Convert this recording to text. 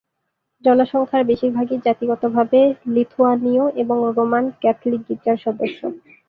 জনসংখ্যার বেশির ভাগই জাতিগতভাবে লিথুয়ানীয় এবং রোমান ক্যাথলিক গির্জার সদস্য।